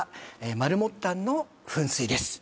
マルモッタンの噴水」です